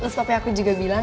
lus papi aku juga bilang